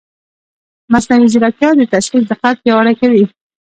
مصنوعي ځیرکتیا د تشخیص دقت پیاوړی کوي.